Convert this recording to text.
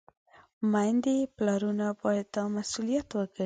میندې، پلرونه باید دا خپل مسؤلیت وګڼي.